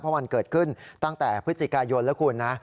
เพราะมันเกิดขึ้นตั้งแต่พฤศจิกายนแล้วคุณนะ